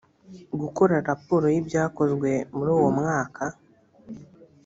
gukora raporo y ibyakozwe muri uwo mwaka